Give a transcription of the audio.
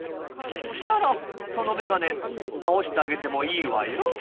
そしたらそのメガネ直してあげてもいいわよ。